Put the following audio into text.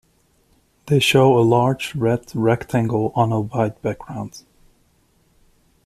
They show a large red rectangle on a white background.